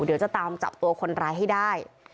เดี๋ยวจะตามจับตัวคนร้ายให้ได้